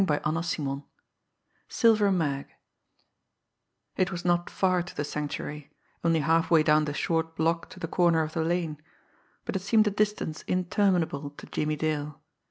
CHAPTER XXI SILVER MAG It was not far to the Sanctuary, only halfway down the short block to the corner of the lane; but it seemed a distance interminable to Jimmie Dale.